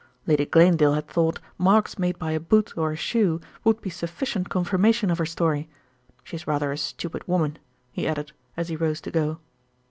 Lady Glanedale had thought marks made by a boot or a shoe would be sufficient confirmation of her story. She is rather a stupid woman," he added, as he rose to go.